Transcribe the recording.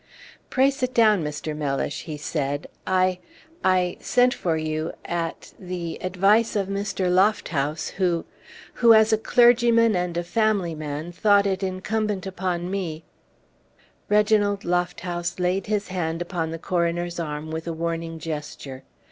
"Pray sit down, Mr. Mellish," he said. "I I sent for you at the advice of Mr. Lofthouse, who who, as a clergyman and a family man, thought it incumbent upon me " Reginald Lofthouse laid his hand upon the coroner's arm with a warning gesture.